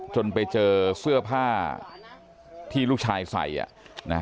จนไปเจอเสื้อผ้าที่ลูกชายใส่